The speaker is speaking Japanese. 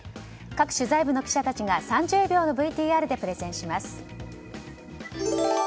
各取材部の記者たちが３０秒のＶＴＲでプレゼンします。